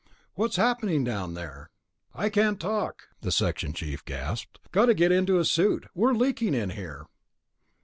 "What's happening down there?" "I can't talk," the section chief gasped. "Gotta get into a suit, we're leaking in here...."